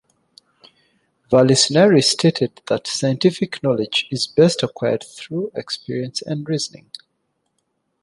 Vallisneri stated that scientific knowledge is best acquired through experience and reasoning.